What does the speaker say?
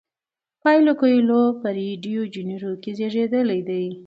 پاولو کویلیو په ریو ډی جنیرو کې زیږیدلی دی.